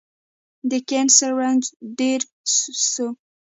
د کېنسر رنځ ډير سو